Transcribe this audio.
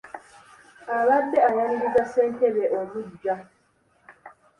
Abadde ayaniriza ssentebe omuggya.